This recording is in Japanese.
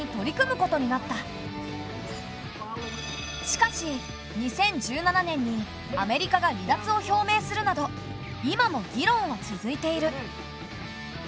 しかし２０１７年にアメリカが離脱を表明するなど今も議論は続いている。